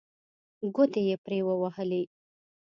ګوتې یې پرې ووهلې.